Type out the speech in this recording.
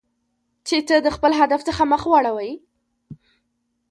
چې ته د خپل هدف څخه مخ واړوی.